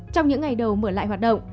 trong những ngày đầu mở lại hoạt động